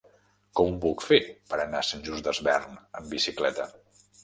Com ho puc fer per anar a Sant Just Desvern amb bicicleta?